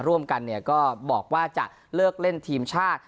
ร่วมกันก็บอกว่าจะเลิกเล่นทีมชาติ